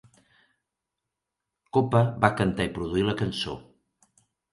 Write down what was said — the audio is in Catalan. Cope va cantar i produir la cançó.